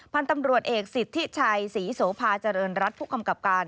พันธุ์ตำรวจเอกสิทธิชัยศรีโสภาเจริญรัฐผู้กำกับการ